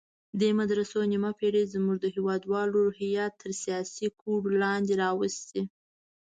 دې مدرسو نیمه پېړۍ زموږ د هېوادوالو روحیات تر سیاسي کوډو لاندې راوستي.